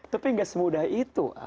tapi gak semudah itu